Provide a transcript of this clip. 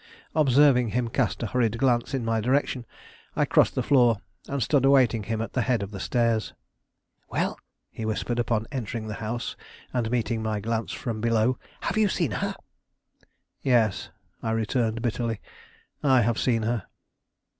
Observing him cast a hurried glance in my direction, I crossed the floor, and stood awaiting him at the head of the stairs. "Well?" he whispered, upon entering the house and meeting my glance from below; "have you seen her?" "Yes," I returned bitterly, "I have seen her!"